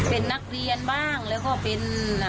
เป็นนักเรียนบ้างแล้วก็เป็น